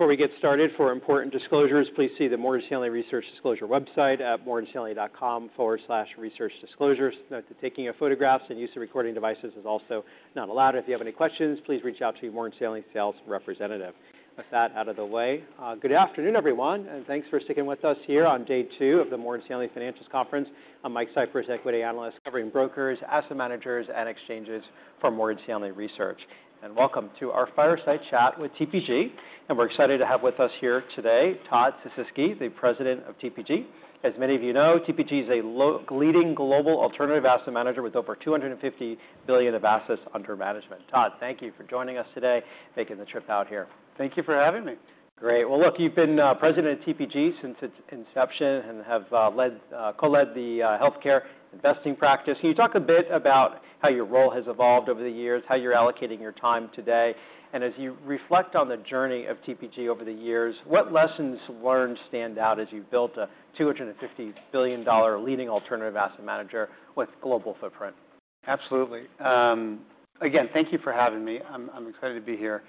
Before we get started, for important disclosures, please see the Morgan Stanley Research Disclosure website at morganstanley.com/researchdisclosures. Note that taking your photographs and use of recording devices is also not allowed. If you have any questions, please reach out to your Morgan Stanley sales representative. With that out of the way, good afternoon, everyone, and thanks for sticking with us here on day two of the Morgan Stanley Financials Conference. I'm Mike Cyphers, equity analyst covering brokers, asset managers, and exchanges for Morgan Stanley Research. Welcome to our fireside chat with TPG. We're excited to have with us here today Todd Sisitsky, the President of TPG. As many of you know, TPG is a leading global alternative asset manager with over $250 billion of assets under management. Todd, thank you for joining us today, making the trip out here. Thank you for having me. Great. Look, you've been President of TPG since its inception and have co-led the healthcare investing practice. Can you talk a bit about how your role has evolved over the years, how you're allocating your time today? As you reflect on the journey of TPG over the years, what lessons learned stand out as you've built a $250 billion leading alternative asset manager with global footprint? Absolutely. Again, thank you for having me. I'm excited to be here.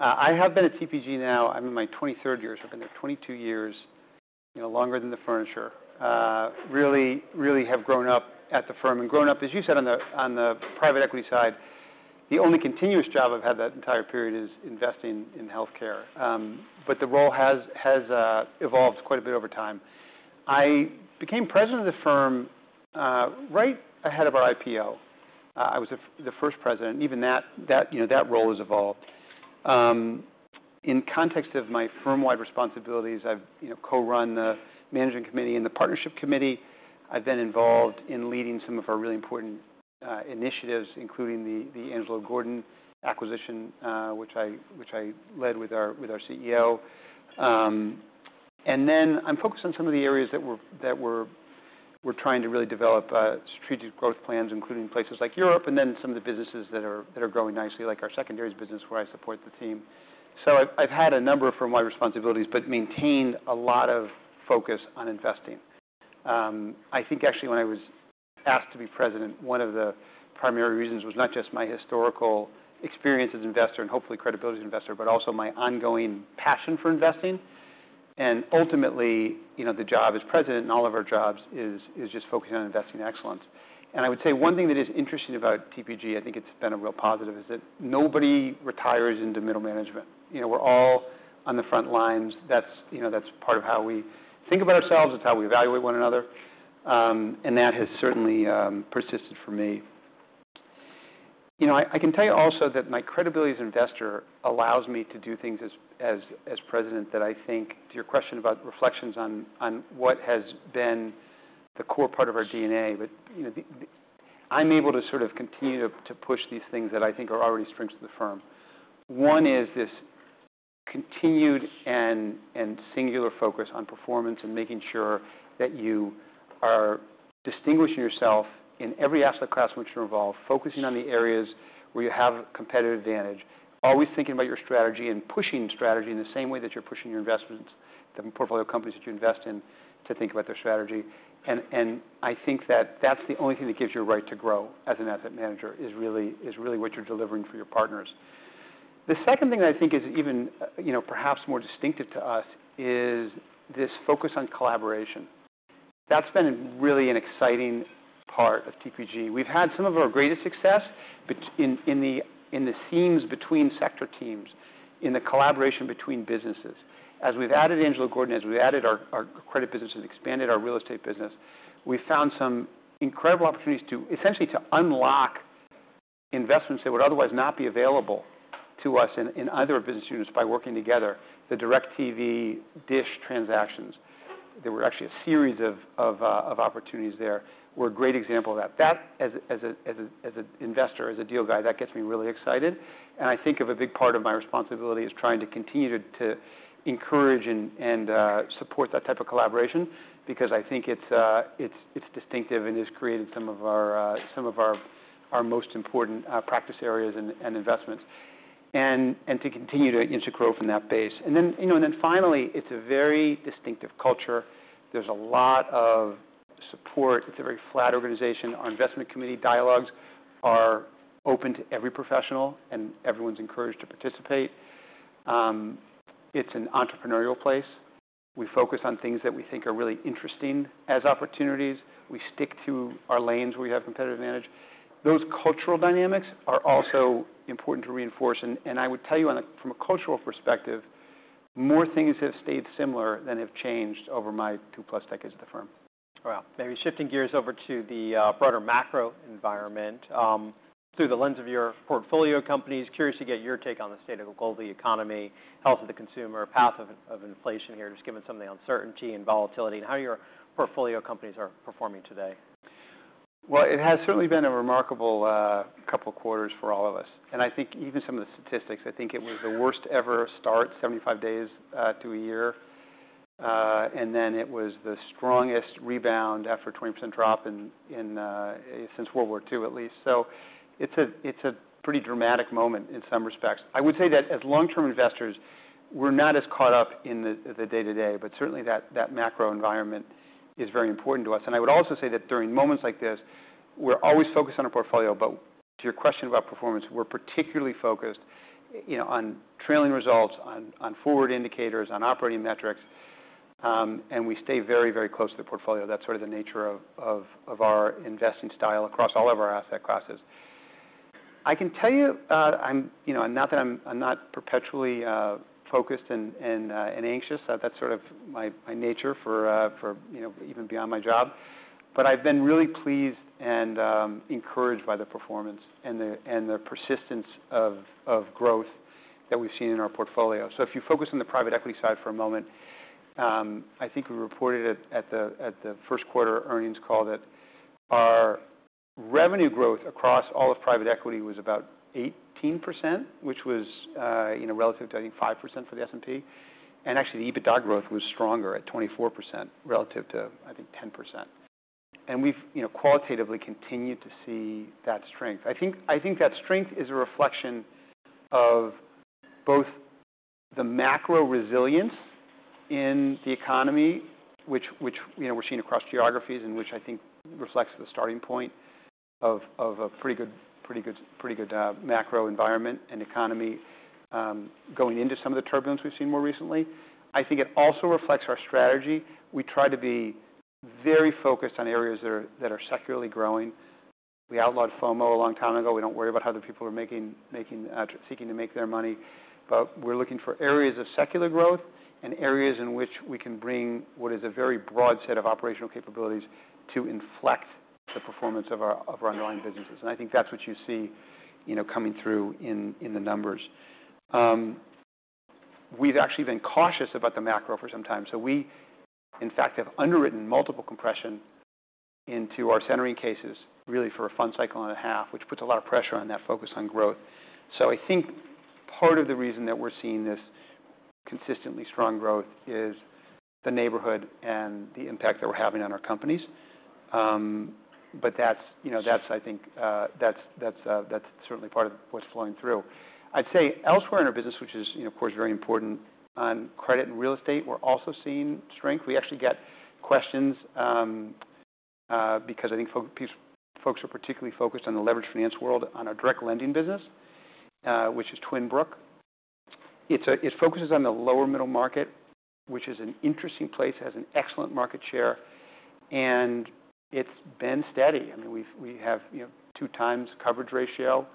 I have been at TPG now, I'm in my 23rd year. So I've been there 22 years, longer than the furniture. Really, really have grown up at the firm and grown up, as you said, on the private equity side. The only continuous job I've had that entire period is investing in healthcare. But the role has evolved quite a bit over time. I became President of the firm right ahead of our IPO. I was the first President. Even that role has evolved. In context of my firm-wide responsibilities, I've co-run the managing committee and the partnership committee. I've been involved in leading some of our really important initiatives, including the Angelo Gordon acquisition, which I led with our CEO. I'm focused on some of the areas that we're trying to really develop strategic growth plans, including places like Europe and then some of the businesses that are growing nicely, like our secondaries business where I support the team. I've had a number of firm-wide responsibilities, but maintained a lot of focus on investing. I think actually when I was asked to be President, one of the primary reasons was not just my historical experience as an investor and hopefully credibility as an investor, but also my ongoing passion for investing. Ultimately, the job as President and all of our jobs is just focusing on investing excellence. I would say one thing that is interesting about TPG, I think it's been a real positive, is that nobody retires into middle management. We're all on the front lines. That's part of how we think about ourselves. It's how we evaluate one another. That has certainly persisted for me. I can tell you also that my credibility as an investor allows me to do things as President that I think, to your question about reflections on what has been the core part of our DNA, but I'm able to sort of continue to push these things that I think are already strengths of the firm. One is this continued and singular focus on performance and making sure that you are distinguishing yourself in every asset class in which you're involved, focusing on the areas where you have competitive advantage, always thinking about your strategy and pushing strategy in the same way that you're pushing your investments, the portfolio companies that you invest in, to think about their strategy. I think that that's the only thing that gives you a right to grow as an asset manager is really what you're delivering for your partners. The second thing that I think is even perhaps more distinctive to us is this focus on collaboration. That's been really an exciting part of TPG. We've had some of our greatest success in the seams between sector teams, in the collaboration between businesses. As we've added Angelo Gordon, as we've added our credit business and expanded our real estate business, we've found some incredible opportunities to essentially unlock investments that would otherwise not be available to us in other business units by working together. The DirecTV DISH transactions, there were actually a series of opportunities there, were a great example of that. That, as an investor, as a deal guy, that gets me really excited. I think of a big part of my responsibility as trying to continue to encourage and support that type of collaboration because I think it's distinctive and has created some of our most important practice areas and investments. To continue to grow from that base. Finally, it's a very distinctive culture. There's a lot of support. It's a very flat organization. Our investment committee dialogues are open to every professional, and everyone's encouraged to participate. It's an entrepreneurial place. We focus on things that we think are really interesting as opportunities. We stick to our lanes where we have competitive advantage. Those cultural dynamics are also important to reinforce. I would tell you from a cultural perspective, more things have stayed similar than have changed over my two-plus decades at the firm. Wow. Maybe shifting gears over to the broader macro environment through the lens of your portfolio companies, curious to get your take on the state of the global economy, health of the consumer, path of inflation here, just given some of the uncertainty and volatility, and how your portfolio companies are performing today. It has certainly been a remarkable couple of quarters for all of us. I think even some of the statistics, I think it was the worst ever start, 75 days to a year. Then it was the strongest rebound after a 20% drop since World War II, at least. It is a pretty dramatic moment in some respects. I would say that as long-term investors, we are not as caught up in the day-to-day, but certainly that macro environment is very important to us. I would also say that during moments like this, we are always focused on our portfolio, but to your question about performance, we are particularly focused on trailing results, on forward indicators, on operating metrics. We stay very, very close to the portfolio. That is sort of the nature of our investing style across all of our asset classes. I can tell you, not that I'm not perpetually focused and anxious. That's sort of my nature for even beyond my job. I've been really pleased and encouraged by the performance and the persistence of growth that we've seen in our portfolio. If you focus on the private equity side for a moment, I think we reported at the first quarter earnings call that our revenue growth across all of private equity was about 18%, which was relative to, I think, 5% for the S&P. Actually, the EBITDA growth was stronger at 24% relative to, I think, 10%. We've qualitatively continued to see that strength. I think that strength is a reflection of both the macro resilience in the economy, which we're seeing across geographies, and which I think reflects the starting point of a pretty good macro environment and economy going into some of the turbulence we've seen more recently. I think it also reflects our strategy. We try to be very focused on areas that are secularly growing. We outlawed FOMO a long time ago. We don't worry about how other people are seeking to make their money. We are looking for areas of secular growth and areas in which we can bring what is a very broad set of operational capabilities to inflect the performance of our underlying businesses. I think that's what you see coming through in the numbers. We've actually been cautious about the macro for some time. We, in fact, have underwritten multiple compression into our centering cases really for a fund cycle and a half, which puts a lot of pressure on that focus on growth. I think part of the reason that we're seeing this consistently strong growth is the neighborhood and the impact that we're having on our companies. That's, I think, certainly part of what's flowing through. I'd say elsewhere in our business, which is, of course, very important on credit and real estate, we're also seeing strength. We actually get questions because I think folks are particularly focused on the leveraged finance world on our direct lending business, which is Twin Brook. It focuses on the lower middle market, which is an interesting place, has an excellent market share, and it's been steady. I mean, we have two times coverage ratio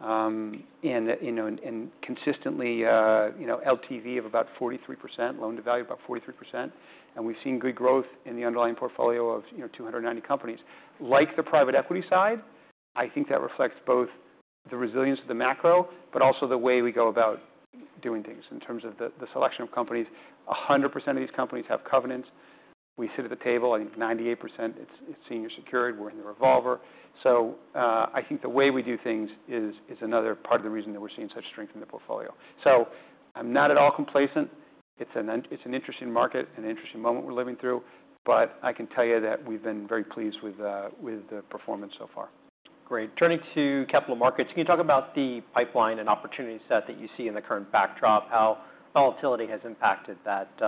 and consistently LTV of about 43%, loan to value about 43%. And we've seen good growth in the underlying portfolio of 290 companies. Like the private equity side, I think that reflects both the resilience of the macro, but also the way we go about doing things in terms of the selection of companies. 100% of these companies have covenants. We sit at the table, I think 98%, it's senior secured. We're in the revolver. I think the way we do things is another part of the reason that we're seeing such strength in the portfolio. I'm not at all complacent. It's an interesting market and an interesting moment we're living through. I can tell you that we've been very pleased with the performance so far. Great. Turning to capital markets, can you talk about the pipeline and opportunity set that you see in the current backdrop, how volatility has impacted that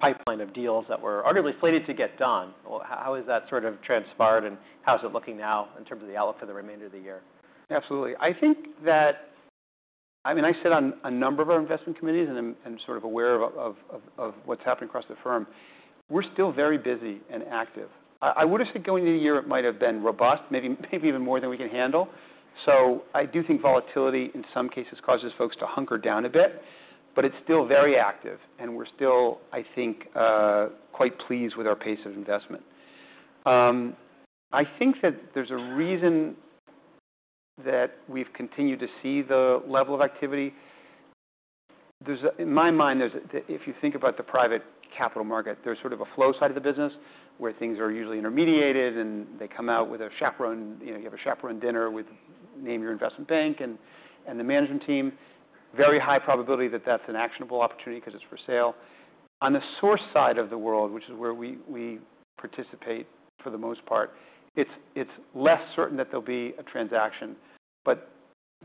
pipeline of deals that were arguably slated to get done? How has that sort of transpired, and how's it looking now in terms of the outlook for the remainder of the year? Absolutely. I think that, I mean, I sit on a number of our investment committees and am sort of aware of what's happening across the firm. We're still very busy and active. I would have said going into the year it might have been robust, maybe even more than we can handle. I do think volatility in some cases causes folks to hunker down a bit, but it's still very active. We're still, I think, quite pleased with our pace of investment. I think that there's a reason that we've continued to see the level of activity. In my mind, if you think about the private capital market, there's sort of a flow side of the business where things are usually intermediated, and they come out with a chaperone, you have a chaperone dinner with, name your investment bank and the management team. Very high probability that that's an actionable opportunity because it's for sale. On the source side of the world, which is where we participate for the most part, it's less certain that there'll be a transaction, but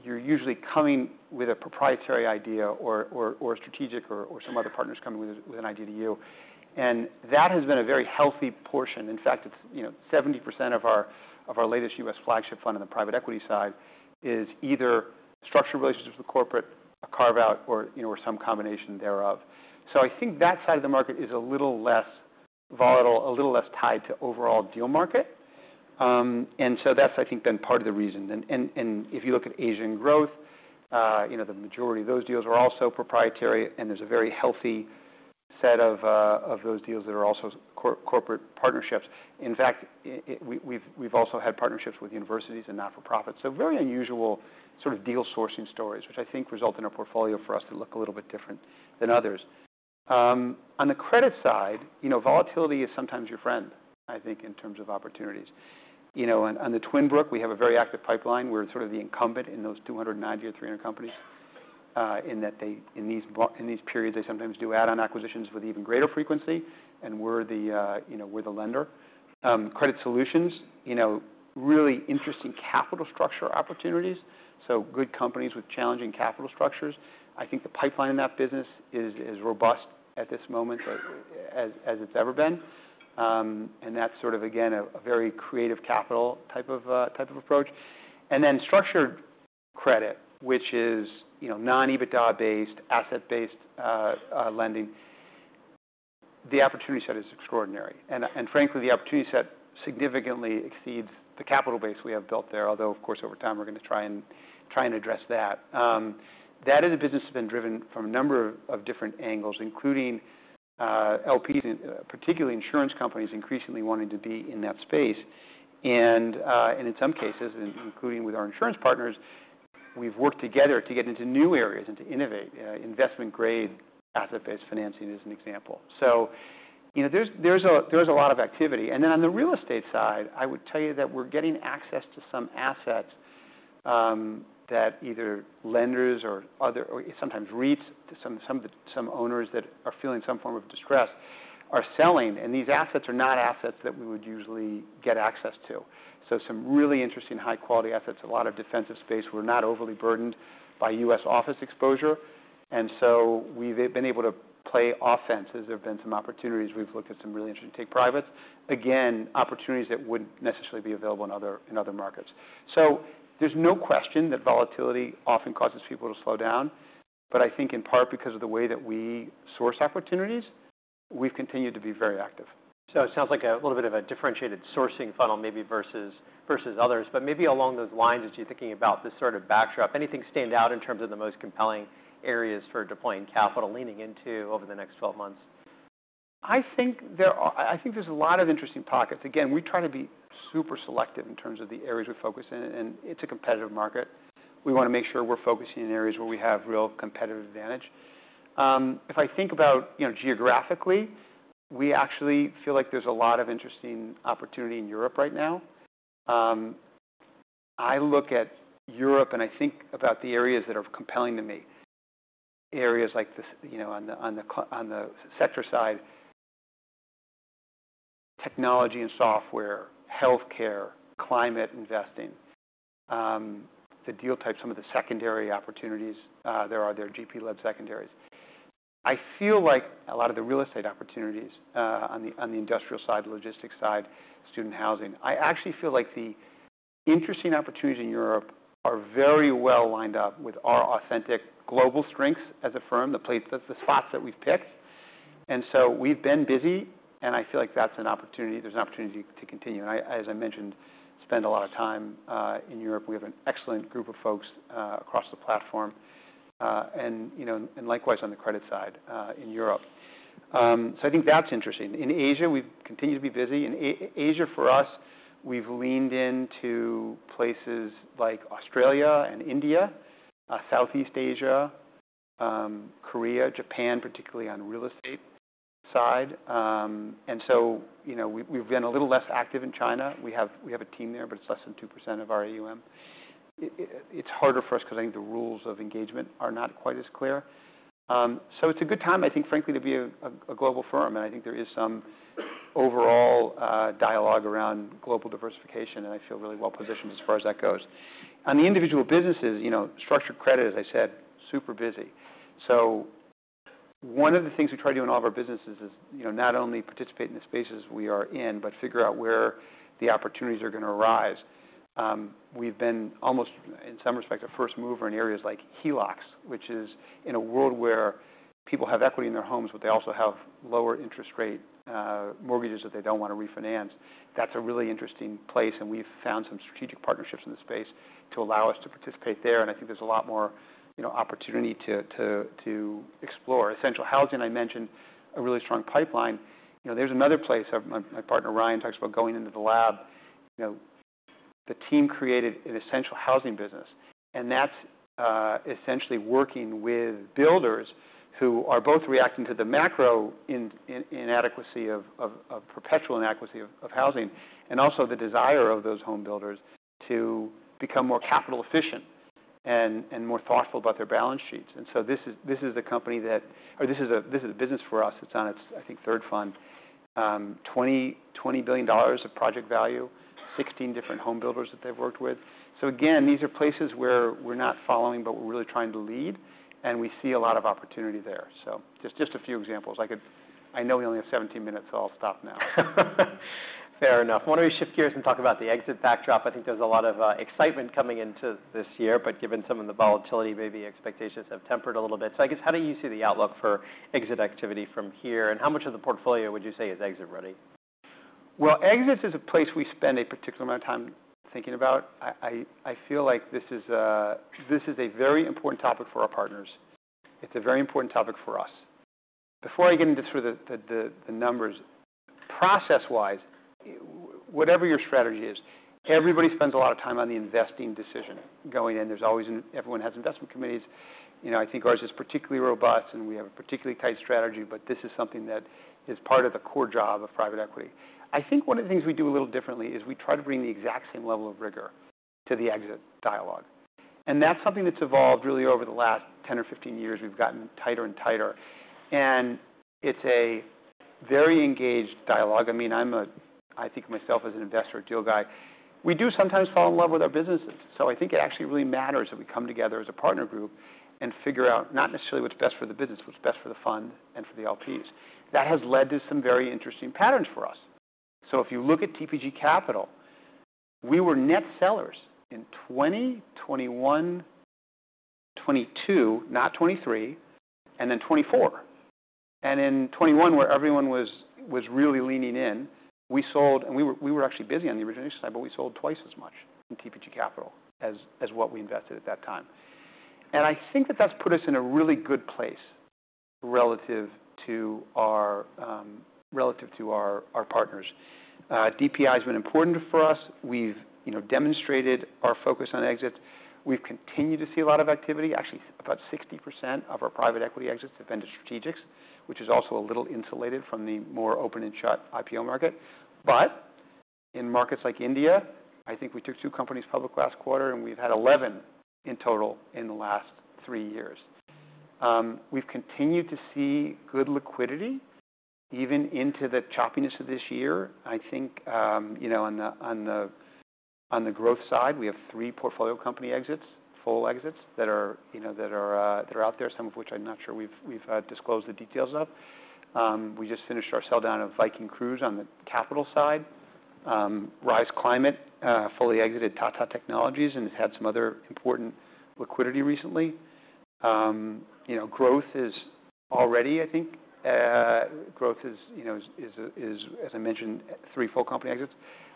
you're usually coming with a proprietary idea or a strategic or some other partners coming with an idea to you. That has been a very healthy portion. In fact, 70% of our latest U.S. flagship fund on the private equity side is either structured relationships with corporate, a carve-out, or some combination thereof. I think that side of the market is a little less volatile, a little less tied to overall deal market. That's, I think, been part of the reason. If you look at Asian growth, the majority of those deals are also proprietary, and there is a very healthy set of those deals that are also corporate partnerships. In fact, we have also had partnerships with universities and not-for-profits. Very unusual sort of deal sourcing stories, which I think result in our portfolio for us to look a little bit different than others. On the credit side, volatility is sometimes your friend, I think, in terms of opportunities. On Twin Brook, we have a very active pipeline. We are sort of the incumbent in those 290 or 300 companies in that in these periods, they sometimes do add-on acquisitions with even greater frequency, and we are the lender. Credit Solutions, really interesting capital structure opportunities. Good companies with challenging capital structures. I think the pipeline in that business is as robust at this moment as it has ever been. That is sort of, again, a very creative capital type of approach. Structured credit, which is non-EBITDA-based, asset-based lending, the opportunity set is extraordinary. Frankly, the opportunity set significantly exceeds the capital base we have built there, although, of course, over time we are going to try and address that. That is a business that has been driven from a number of different angles, including LPs, particularly insurance companies increasingly wanting to be in that space. In some cases, including with our insurance partners, we have worked together to get into new areas and to innovate. Investment-grade asset-based financing is an example. There is a lot of activity. On the real estate side, I would tell you that we are getting access to some assets that either lenders or sometimes REITs, some owners that are feeling some form of distress, are selling. These assets are not assets that we would usually get access to. Some really interesting high-quality assets, a lot of defensive space. We are not overly burdened by U.S. office exposure. We have been able to play offense. There have been some opportunities. We have looked at some really interesting take-privates. Again, opportunities that would not necessarily be available in other markets. There is no question that volatility often causes people to slow down. I think in part because of the way that we source opportunities, we have continued to be very active. It sounds like a little bit of a differentiated sourcing funnel maybe versus others. But maybe along those lines, as you're thinking about this sort of backdrop, anything stand out in terms of the most compelling areas for deploying capital leaning into over the next 12 months? I think there's a lot of interesting pockets. Again, we try to be super selective in terms of the areas we focus in. It's a competitive market. We want to make sure we're focusing in areas where we have real competitive advantage. If I think about geographically, we actually feel like there's a lot of interesting opportunity in Europe right now. I look at Europe and I think about the areas that are compelling to me. Areas like on the sector side, technology and software, healthcare, climate investing, the deal types, some of the secondary opportunities there are, there are GP-led secondaries. I feel like a lot of the real estate opportunities on the industrial side, logistics side, student housing. I actually feel like the interesting opportunities in Europe are very well lined up with our authentic global strengths as a firm, the spots that we've picked. We have been busy, and I feel like that's an opportunity. There's an opportunity to continue. As I mentioned, we spend a lot of time in Europe. We have an excellent group of folks across the platform and likewise on the credit side in Europe. I think that's interesting. In Asia, we've continued to be busy. In Asia, for us, we've leaned into places like Australia and India, Southeast Asia, Korea, Japan, particularly on the real estate side. We have been a little less active in China. We have a team there, but it's less than 2% of our AUM. It's harder for us because I think the rules of engagement are not quite as clear. It's a good time, I think, frankly, to be a global firm. I think there is some overall dialogue around global diversification, and I feel really well positioned as far as that goes. On the individual businesses, structured credit, as I said, super busy. One of the things we try to do in all of our businesses is not only participate in the spaces we are in, but figure out where the opportunities are going to arise. We've been almost in some respects a first mover in areas like HELOCs, which is in a world where people have equity in their homes, but they also have lower interest rate mortgages that they do not want to refinance. That is a really interesting place. We've found some strategic partnerships in the space to allow us to participate there. I think there is a lot more opportunity to explore. Essential housing, I mentioned a really strong pipeline. There is another place. My partner, Ryan, talks about going into the lab. The team created an essential housing business. That is essentially working with builders who are both reacting to the macro inadequacy of perpetual inadequacy of housing and also the desire of those home builders to become more capital efficient and more thoughtful about their balance sheets. This is a company that, or this is a business for us. It is on its, I think, third fund. $20 billion of project value, 16 different home builders that they have worked with. These are places where we are not following, but we are really trying to lead. We see a lot of opportunity there. Just a few examples. I know we only have 17 minutes, so I will stop now. Fair enough. Why don't we shift gears and talk about the exit backdrop? I think there's a lot of excitement coming into this year, but given some of the volatility, maybe expectations have tempered a little bit. I guess, how do you see the outlook for exit activity from here? How much of the portfolio would you say is exit ready? Exits is a place we spend a particular amount of time thinking about. I feel like this is a very important topic for our partners. It's a very important topic for us. Before I get into sort of the numbers, process-wise, whatever your strategy is, everybody spends a lot of time on the investing decision going in. Everyone has investment committees. I think ours is particularly robust, and we have a particularly tight strategy, but this is something that is part of the core job of private equity. I think one of the things we do a little differently is we try to bring the exact same level of rigor to the exit dialogue. That's something that's evolved really over the last 10 or 15 years. We've gotten tighter and tighter. It's a very engaged dialogue. I mean, I think of myself as an investor, a deal guy. We do sometimes fall in love with our businesses. I think it actually really matters that we come together as a partner group and figure out not necessarily what's best for the business, what's best for the fund and for the LPs. That has led to some very interesting patterns for us. If you look at TPG Capital, we were net sellers in 2021, 2022, not 2023, and then 2024. In 2021, where everyone was really leaning in, we sold, and we were actually busy on the origination side, but we sold twice as much in TPG Capital as what we invested at that time. I think that that's put us in a really good place relative to our partners. DPI has been important for us. We've demonstrated our focus on exits. We've continued to see a lot of activity. Actually, about 60% of our private equity exits have been to strategics, which is also a little insulated from the more open and shut IPO market. In markets like India, I think we took two companies public last quarter, and we've had 11 in total in the last three years. We've continued to see good liquidity even into the choppiness of this year. I think on the growth side, we have three portfolio company exits, full exits that are out there, some of which I'm not sure we've disclosed the details of. We just finished our sell down of Viking Cruises on the capital side. Rise Climate fully exited Tata Technologies and has had some other important liquidity recently. Growth is already, I think. Growth is, as I mentioned, three full company exits.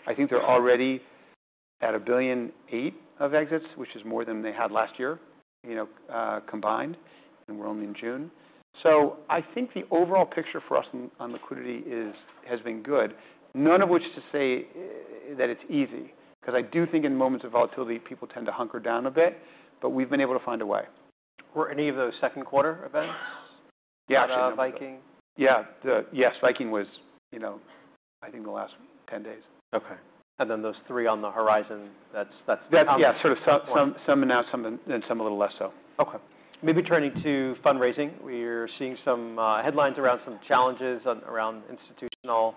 I think they're already at $1.8 billion of exits, which is more than they had last year combined. We're only in June. I think the overall picture for us on liquidity has been good. None of which to say that it's easy. I do think in moments of volatility, people tend to hunker down a bit, but we've been able to find a way. Were any of those second quarter events? Yeah, actually. About Viking? Yeah. Yes, Viking was, I think, the last 10 days. Okay. And then those three on the horizon, that's the. Yeah, sort of some now, then some a little less so. Okay. Maybe turning to fundraising. We are seeing some headlines around some challenges around institutional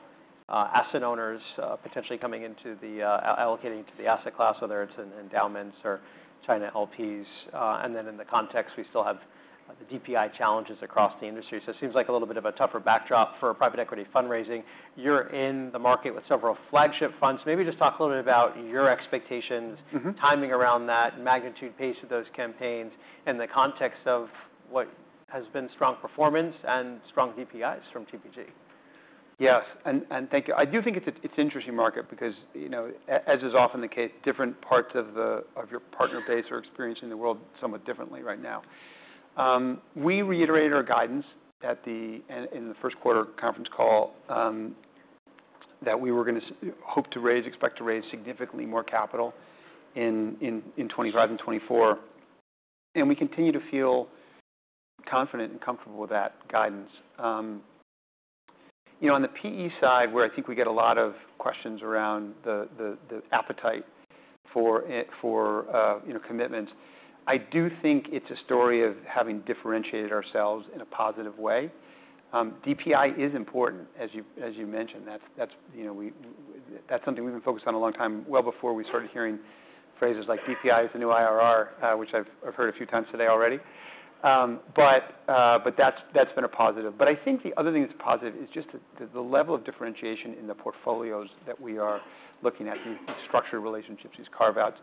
asset owners potentially coming into the allocating to the asset class, whether it's endowments or China LPs. In the context, we still have the DPI challenges across the industry. It seems like a little bit of a tougher backdrop for private equity fundraising. You're in the market with several flagship funds. Maybe just talk a little bit about your expectations, timing around that, magnitude, pace of those campaigns, and the context of what has been strong performance and strong DPIs from TPG. Yes. Thank you. I do think it's an interesting market because, as is often the case, different parts of your partner base are experiencing the world somewhat differently right now. We reiterated our guidance in the first quarter conference call that we were going to hope to raise, expect to raise significantly more capital in 2025 and 2024. We continue to feel confident and comfortable with that guidance. On the PE side, where I think we get a lot of questions around the appetite for commitments, I do think it's a story of having differentiated ourselves in a positive way. DPI is important, as you mentioned. That's something we've been focused on a long time well before we started hearing phrases like DPI is the new IRR, which I've heard a few times today already. That's been a positive. I think the other thing that's positive is just the level of differentiation in the portfolios that we are looking at, these structured relationships, these carve-outs.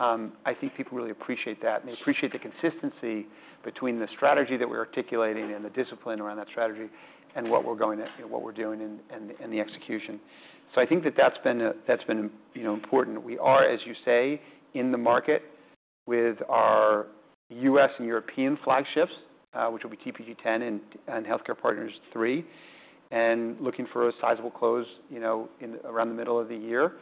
I think people really appreciate that. They appreciate the consistency between the strategy that we're articulating and the discipline around that strategy and what we're doing and the execution. I think that that's been important. We are, as you say, in the market with our U.S. and European flagships, which will be TPG 10 and Healthcare Partners 3, and looking for a sizable close around the middle of the year.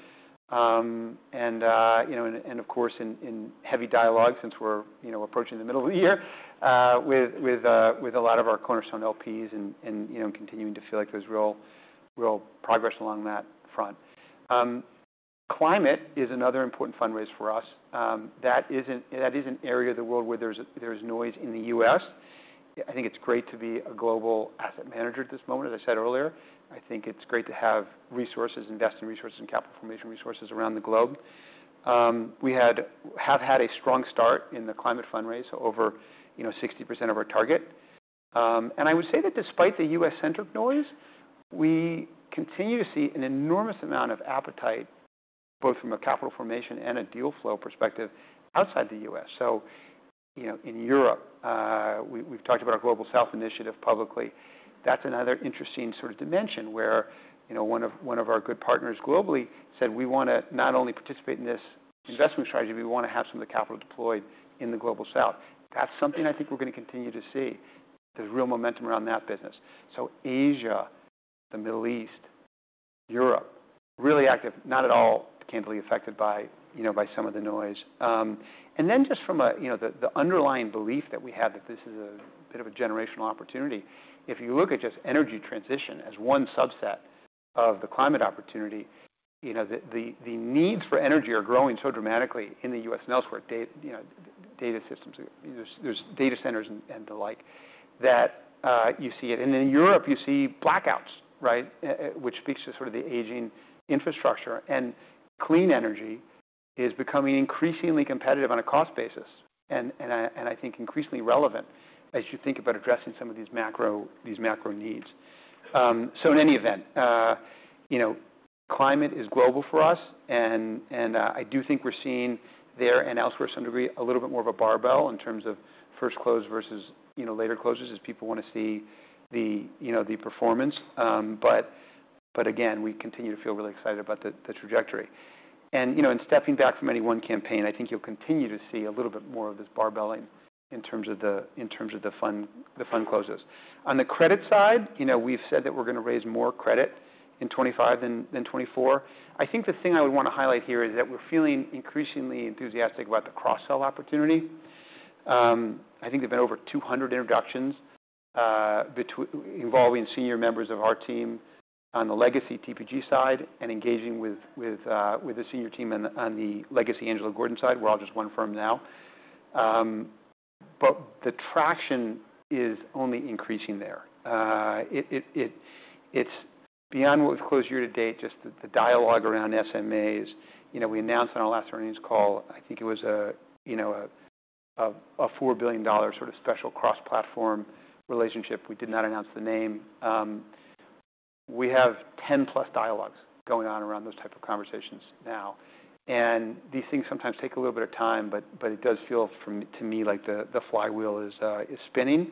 Of course, in heavy dialogue since we're approaching the middle of the year with a lot of our cornerstone LPs and continuing to feel like there's real progress along that front. Climate is another important fundraiser for us. That is an area of the world where there's noise in the U.S. I think it's great to be a global asset manager at this moment, as I said earlier. I think it's great to have resources, invest in resources and capital formation resources around the globe. We have had a strong start in the climate fundraiser, over 60% of our target. I would say that despite the U.S.-centric noise, we continue to see an enormous amount of appetite, both from a capital formation and a deal flow perspective, outside the U.S. In Europe, we've talked about our Global South initiative publicly. That's another interesting sort of dimension where one of our good partners globally said, "We want to not only participate in this investment strategy, we want to have some of the capital deployed in the Global South." That's something I think we're going to continue to see. There's real momentum around that business. Asia, the Middle East, Europe, really active, not at all candidly affected by some of the noise. Just from the underlying belief that we have that this is a bit of a generational opportunity, if you look at just energy transition as one subset of the climate opportunity, the needs for energy are growing so dramatically in the U.S. and elsewhere, data systems, there's data centers and the like, that you see it. In Europe, you see blackouts, right, which speaks to sort of the aging infrastructure. Clean energy is becoming increasingly competitive on a cost basis and I think increasingly relevant as you think about addressing some of these macro needs. In any event, climate is global for us. I do think we're seeing there and elsewhere to some degree a little bit more of a barbell in terms of first close versus later closes as people want to see the performance. Again, we continue to feel really excited about the trajectory. In stepping back from any one campaign, I think you'll continue to see a little bit more of this barbelling in terms of the fund closes. On the credit side, we've said that we're going to raise more credit in 2025 than 2024. I think the thing I would want to highlight here is that we're feeling increasingly enthusiastic about the cross-sell opportunity. I think there've been over 200 introductions involving senior members of our team on the legacy TPG side and engaging with the senior team on the legacy Angelo Gordon side. We're all just one firm now. The traction is only increasing there. It's beyond what we've closed year to date, just the dialogue around SMAs. We announced on our last earnings call, I think it was a $4 billion sort of special cross-platform relationship. We did not announce the name. We have 10 plus dialogues going on around those types of conversations now. These things sometimes take a little bit of time, but it does feel to me like the flywheel is spinning.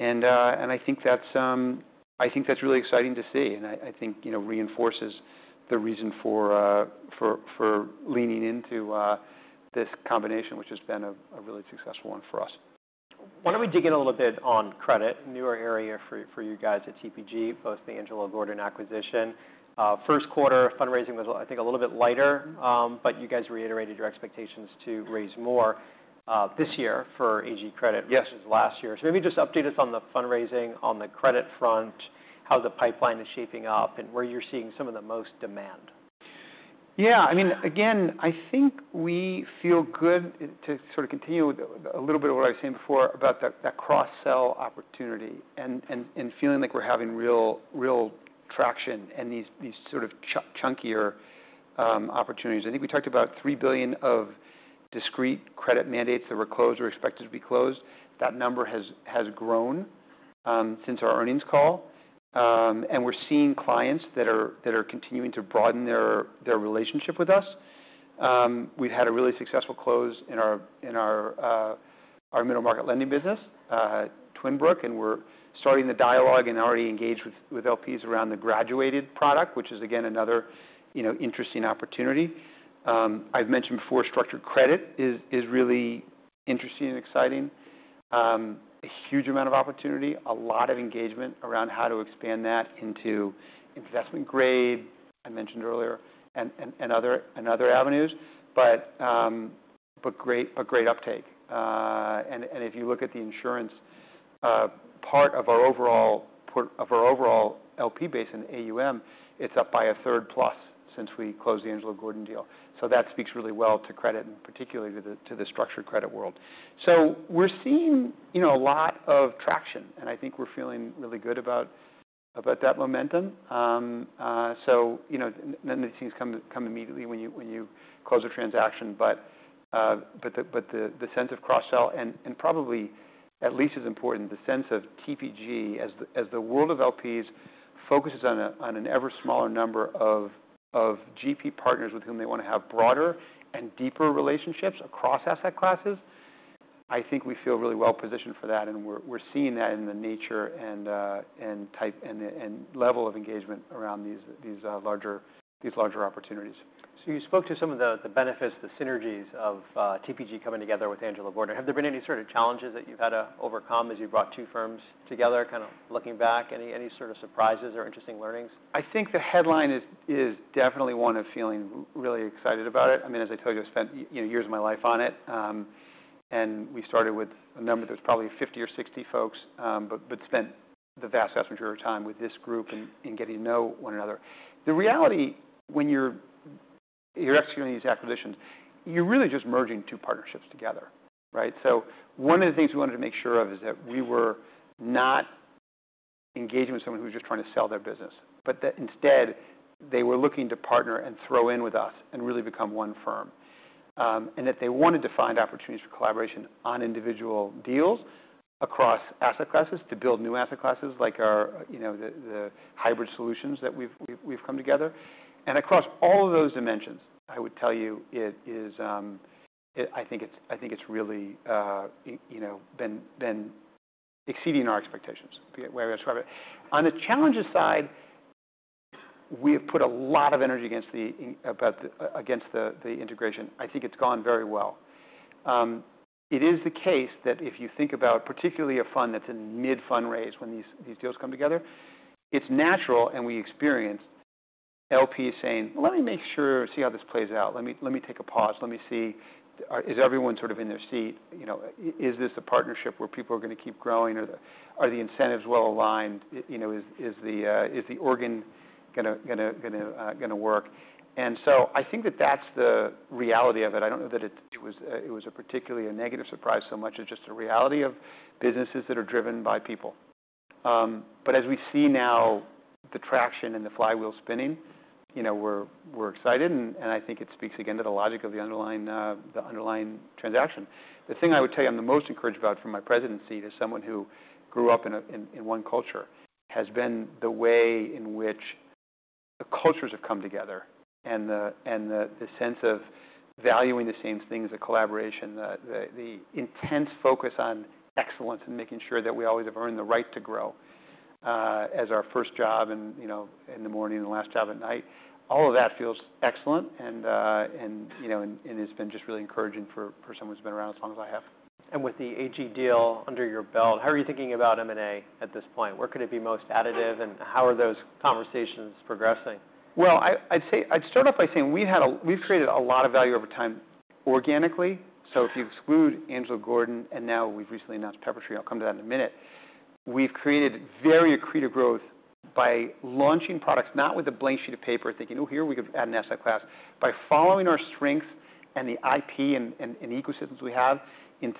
I think that's really exciting to see. I think it reinforces the reason for leaning into this combination, which has been a really successful one for us. Why don't we dig in a little bit on credit? Newer area for you guys at TPG, both the Angelo Gordon acquisition. First quarter fundraising was, I think, a little bit lighter, but you guys reiterated your expectations to raise more this year for AG Credit versus last year. Maybe just update us on the fundraising on the credit front, how the pipeline is shaping up, and where you're seeing some of the most demand. Yeah. I mean, again, I think we feel good to sort of continue a little bit of what I was saying before about that cross-sell opportunity and feeling like we're having real traction and these sort of chunkier opportunities. I think we talked about $3 billion of discrete credit mandates that were closed or expected to be closed. That number has grown since our earnings call. We're seeing clients that are continuing to broaden their relationship with us. We've had a really successful close in our middle market lending business, Twin Brook, and we're starting the dialogue and already engaged with LPs around the graduated product, which is, again, another interesting opportunity. I've mentioned before, structured credit is really interesting and exciting. A huge amount of opportunity, a lot of engagement around how to expand that into investment grade, I mentioned earlier, and other avenues. Great uptake. If you look at the insurance part of our overall LP base in AUM, it's up by a third plus since we closed the Angelo Gordon deal. That speaks really well to credit, particularly to the structured credit world. We're seeing a lot of traction. I think we're feeling really good about that momentum. None of these things come immediately when you close a transaction. The sense of cross-sell, and probably at least as important, the sense of TPG as the world of LPs focuses on an ever smaller number of GP partners with whom they want to have broader and deeper relationships across asset classes. I think we feel really well positioned for that. We're seeing that in the nature and level of engagement around these larger opportunities. You spoke to some of the benefits, the synergies of TPG coming together with Angelo Gordon. Have there been any sort of challenges that you've had to overcome as you brought two firms together, kind of looking back? Any sort of surprises or interesting learnings? I think the headline is definitely one of feeling really excited about it. I mean, as I told you, I spent years of my life on it. We started with a number that was probably 50 or 60 folks, but spent the vast, vast majority of our time with this group and getting to know one another. The reality, when you're executing these acquisitions, you're really just merging two partnerships together, right? One of the things we wanted to make sure of is that we were not engaging with someone who was just trying to sell their business, but that instead they were looking to partner and throw in with us and really become one firm. That they wanted to find opportunities for collaboration on individual deals across asset classes to build new asset classes like the hybrid solutions that we've come together. Across all of those dimensions, I would tell you, I think it's really been exceeding our expectations, the way I describe it. On the challenges side, we have put a lot of energy against the integration. I think it's gone very well. It is the case that if you think about particularly a fund that's in mid-fundraise when these deals come together, it's natural and we experience LPs saying, "Let me make sure and see how this plays out. Let me take a pause. Let me see. Is everyone sort of in their seat? Is this a partnership where people are going to keep growing? Are the incentives well aligned? Is the organ going to work?" I think that that's the reality of it. I don't know that it was particularly a negative surprise so much as just a reality of businesses that are driven by people. As we see now the traction and the flywheel spinning, we're excited. I think it speaks again to the logic of the underlying transaction. The thing I would tell you I'm the most encouraged about from my presidency to someone who grew up in one culture has been the way in which the cultures have come together and the sense of valuing the same things as collaboration, the intense focus on excellence and making sure that we always have earned the right to grow as our first job in the morning and last job at night. All of that feels excellent. It's been just really encouraging for someone who's been around as long as I have. With the AG deal under your belt, how are you thinking about M&A at this point? Where could it be most additive? How are those conversations progressing? I'd start off by saying we've created a lot of value over time organically. If you exclude Angelo Gordon and now we've recently announced Pepper Tree, I'll come to that in a minute. We've created very accretive growth by launching products, not with a blank sheet of paper thinking, "Oh, here we could add an asset class," by following our strengths and the IP and ecosystems we have and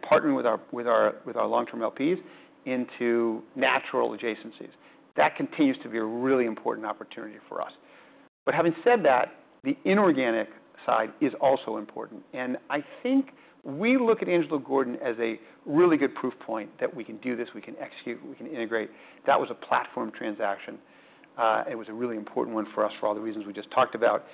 partnering with our long-term LPs into natural adjacencies. That continues to be a really important opportunity for us. Having said that, the inorganic side is also important. I think we look at Angelo Gordon as a really good proof point that we can do this, we can execute, we can integrate. That was a platform transaction. It was a really important one for us for all the reasons we just talked about.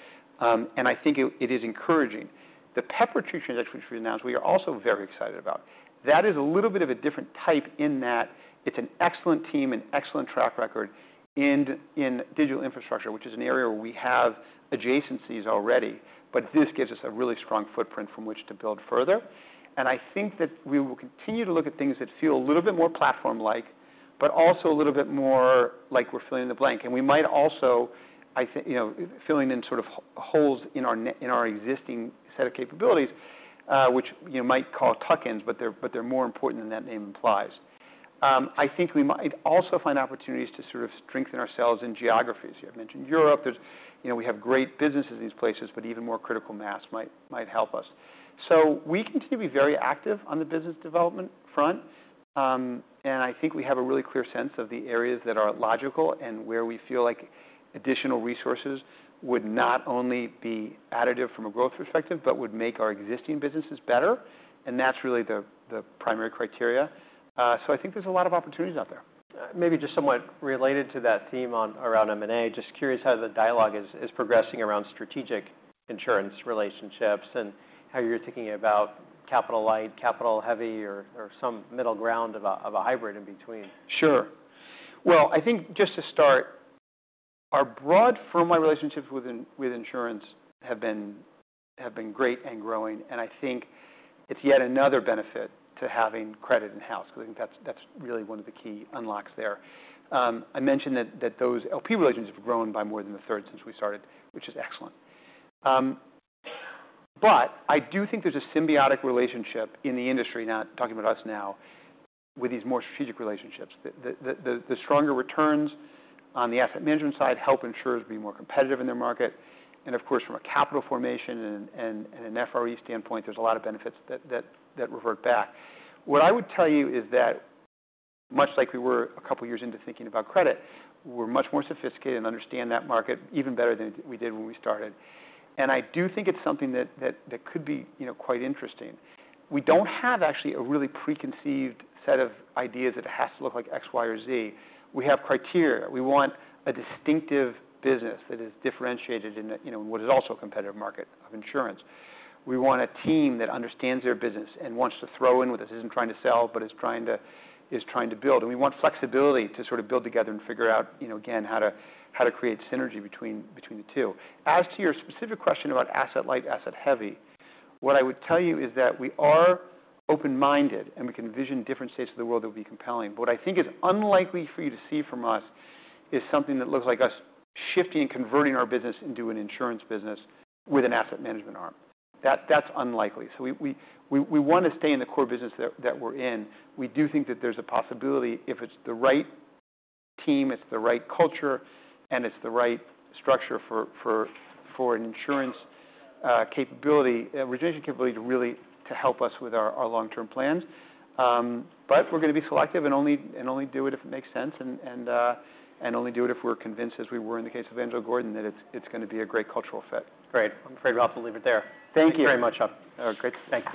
I think it is encouraging. The Pepper Tree transaction, which we announced, we are also very excited about. That is a little bit of a different type in that it's an excellent team and excellent track record in digital infrastructure, which is an area where we have adjacencies already, but this gives us a really strong footprint from which to build further. I think that we will continue to look at things that feel a little bit more platform-like, but also a little bit more like we're filling the blank. We might also, I think, fill in sort of holes in our existing set of capabilities, which we might call tuck-ins, but they're more important than that name implies. I think we might also find opportunities to sort of strengthen ourselves in geographies. You have mentioned Europe. We have great businesses in these places, but even more critical mass might help us. We continue to be very active on the business development front. I think we have a really clear sense of the areas that are logical and where we feel like additional resources would not only be additive from a growth perspective, but would make our existing businesses better. That is really the primary criteria. I think there are a lot of opportunities out there. Maybe just somewhat related to that theme around M&A, just curious how the dialogue is progressing around strategic insurance relationships and how you're thinking about capital-light, capital-heavy, or some middle ground of a hybrid in between. Sure. I think just to start, our broad firm-wide relationships with insurance have been great and growing. I think it's yet another benefit to having credit in-house because I think that's really one of the key unlocks there. I mentioned that those LP relationships have grown by more than a third since we started, which is excellent. I do think there's a symbiotic relationship in the industry, not talking about us now, with these more strategic relationships. The stronger returns on the asset management side help insurers be more competitive in their market. Of course, from a capital formation and an FRE standpoint, there's a lot of benefits that revert back. What I would tell you is that, much like we were a couple of years into thinking about credit, we're much more sophisticated and understand that market even better than we did when we started. I do think it's something that could be quite interesting. We don't have actually a really preconceived set of ideas that it has to look like X, Y, or Z. We have criteria. We want a distinctive business that is differentiated in what is also a competitive market of insurance. We want a team that understands their business and wants to throw in with us, isn't trying to sell, but is trying to build. We want flexibility to sort of build together and figure out, again, how to create synergy between the two. As to your specific question about asset-light, asset-heavy, what I would tell you is that we are open-minded and we can envision different states of the world that would be compelling. What I think is unlikely for you to see from us is something that looks like us shifting and converting our business into an insurance business with an asset management arm. That is unlikely. We want to stay in the core business that we are in. We do think that there is a possibility if it is the right team, it is the right culture, and it is the right structure for an insurance capability, regeneration capability to really help us with our long-term plans. We are going to be selective and only do it if it makes sense and only do it if we are convinced, as we were in the case of Angelo Gordon, that it is going to be a great cultural fit. Great. I'm afraid we'll have to leave it there. Thank you very much. All right. Great. Thank you.